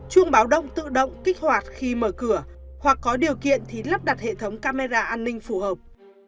chuông báo động tự động kích hoạt khi mở cửa hoặc có điều kiện thì lắp đặt hệ thống camera an ninh phù hợp